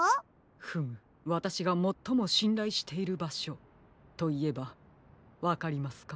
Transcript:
フムわたしがもっともしんらいしているばしょといえばわかりますか？